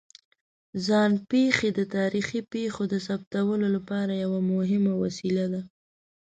ځان پېښې د تاریخي پېښو د ثبتولو لپاره یوه مهمه وسیله ده.